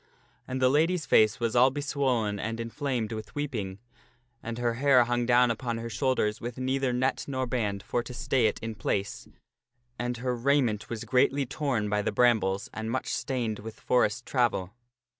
And the lady's face was all beswollen and inflamed with weeping, and her hair hung down upon her shoulders with neither net nor band for to stay it in place, and her raiment was greatly torn by the brambles and much stained with forest travel.